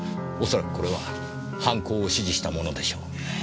恐らくこれは犯行を指示したものでしょう。